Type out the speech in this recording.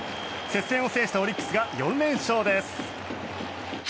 接戦を制したオリックスが４連勝です。